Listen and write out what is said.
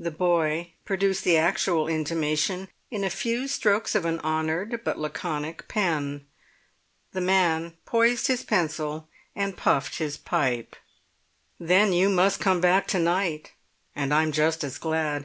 The boy produced the actual intimation in a few strokes of an honoured but laconic pen. The man poised his pencil and puffed his pipe. "Then you must come back to night, and I'm just as glad.